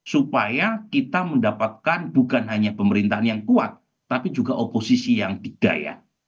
supaya kita mendapatkan bukan hanya pemerintahan yang kuat tapi juga oposisi yang tiga ya